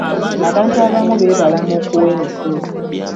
Abantu abamu beebalama okuwa emisolo